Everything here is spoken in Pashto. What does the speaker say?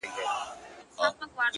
که غچيدله زنده گي په هغه ورځ درځم _